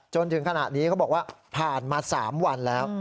จนถึงขณะนี้เขาบอกว่าผ่านมา๓วันแล้ว